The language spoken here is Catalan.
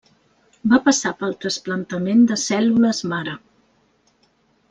Va passar pel trasplantament de cèl·lules mare.